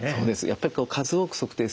やっぱり数多く測定すると。